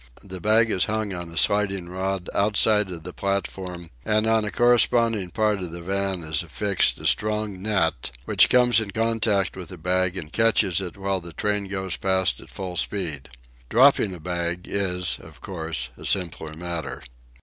The bag is hung on a sliding rod outside of the platform, and on a corresponding part of the van is affixed a strong net, which comes in contact with the bag and catches it while the train goes past at full speed. Dropping a bag is, of course, a simpler matter.